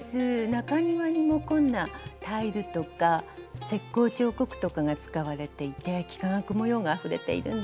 中庭にもこんなタイルとか石こう彫刻とかが使われていて幾何学模様があふれているんです。